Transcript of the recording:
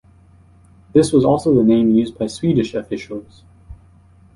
This was also the name used by Swedish officials.